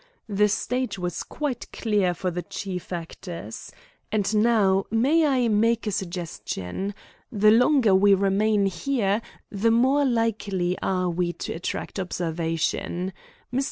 The stage was quite clear for the chief actors. And now, may I make a suggestion? The longer we remain here the more likely are we to attract observation. Mr.